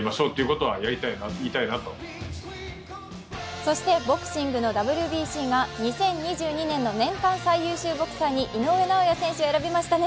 そしてボクシングのＷＢＣが２０２２年の年間最優秀ボクサーに井上尚弥選手を選びましたね。